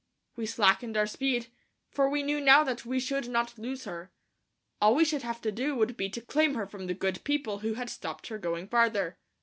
We slackened our speed, for we knew now that we should not lose her. All we should have to do would be to claim her from the good people who had stopped her going farther.